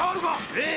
ええ！